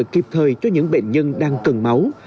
hỗ trợ kịp thời cho những bệnh nhân đang cần máu